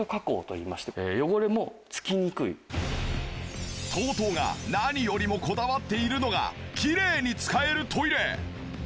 これＴＯＴＯが何よりもこだわっているのがきれいに使えるトイレ！